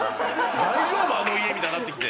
「大丈夫？あの家」みたいになってきて。